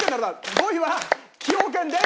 ５位は崎陽軒です！